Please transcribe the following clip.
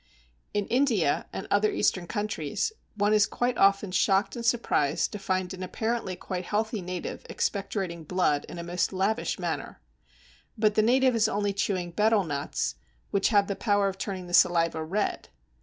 In India and other eastern countries one is often shocked and surprised to find an apparently quite healthy native expectorating blood in a most lavish manner. But the native is only chewing Betel nuts, which have the power of turning the saliva red.